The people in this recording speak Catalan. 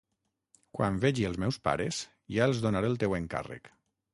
Quan vegi els meus pares, ja els donaré el teu encàrrec.